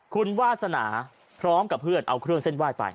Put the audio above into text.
คุณวาสนาพร้อมกับเพื่อนเอาเครื่องเส้นไหว้ไป